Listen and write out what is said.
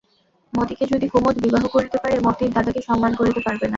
মতিকে যদি কুমুদ বিবাহ করিতে পারে, মতির দাদাকে সম্মান করিতে পারবে না?